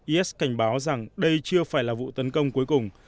is cảnh báo rằng đây chưa phải là vụ tấn công cuối cùng